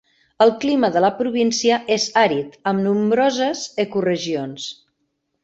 El clima de la província és àrid, amb nombroses eco-regions.